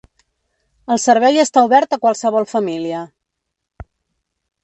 El servei està obert a qualsevol família.